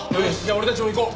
俺たちも行こう！